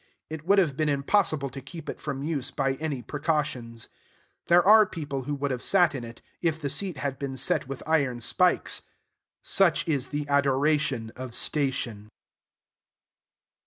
It would have been impossible to keep it from use by any precautions. There are people who would have sat in it, if the seat had been set with iron spikes. Such is the adoration of Station.